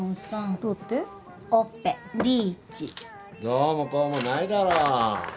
どうもこうもないだろ。